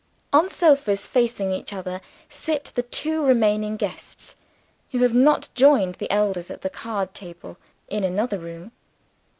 On sofas facing each other sit the two remaining guests, who have not joined the elders at the card table in another room.